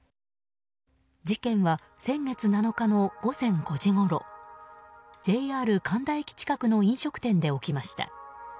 事件は先月７日の午前５時ごろＪＲ神田駅近くの飲食店で起きました。